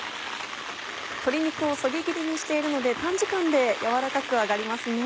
鶏肉をそぎ切りにしているので短時間で軟らかく揚がりますね。